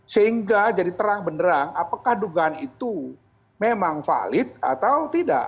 sehingga jadi terang benerang apakah dugaan itu memang valid atau tidak